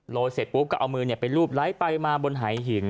เสร็จปุ๊บก็เอามือไปรูปไลค์ไปมาบนหายหิน